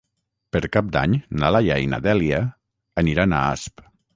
Per Cap d'Any na Laia i na Dèlia aniran a Asp.